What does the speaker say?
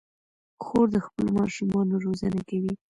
خور د خپلو ماشومانو روزنه کوي.